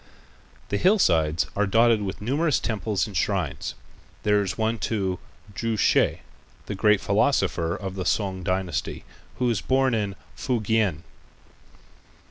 The hillsides are dotted with numerous temples and shrines. There is one to Chu Hsi, the great philosopher of the Sung dynasty, who was born in Fukien.